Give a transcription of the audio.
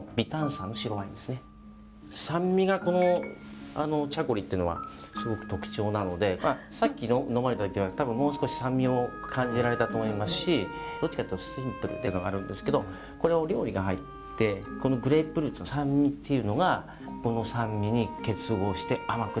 酸味がこのチャコリっていうのはすごく特徴なのでさっき呑まれた時は多分もう少し酸味を感じられたと思いますしどっちかというとシンプルっていうのがあるんですけどこれお料理が入ってこのグレープフルーツの酸味っていうのがこの酸味に結合して甘くなるんですよ。